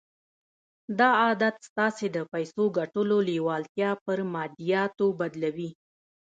دا عادت ستاسې د پيسو ګټلو لېوالتیا پر ماديياتو بدلوي.